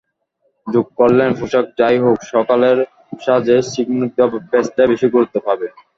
যোগ করলেন, পোশাক যা-ই হোক, সকালের সাজে স্নিগ্ধ বেজটাই বেশি গুরুত্ব পাবে।